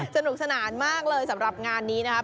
สนุกสนานมากเลยสำหรับงานนี้นะครับ